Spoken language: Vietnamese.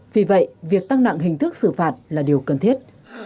vì vậy việc tăng nặng hình thức xử phạt là điều cần thiết